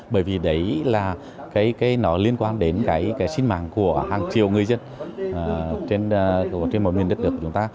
bởi vì đấy là nó liên quan đến cái sinh mạng của hàng triệu người dân trên một nguyên đất nước của chúng ta